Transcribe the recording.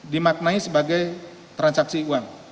dimaknai sebagai transaksi uang